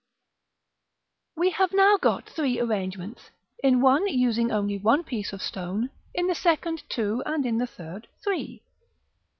We have now got three arrangements; in one using only one piece of stone, in the second two, and in the third three.